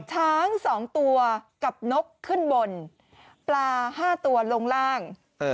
ช้าง๒ตัวกับนกขึ้นบนปลา๕ตัวลงล่าง